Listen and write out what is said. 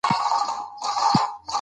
رسوب د افغانستان د طبیعي زیرمو برخه ده.